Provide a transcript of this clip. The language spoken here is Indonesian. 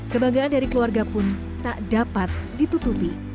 kebanggaan dari keluarga pun tak dapat ditutupi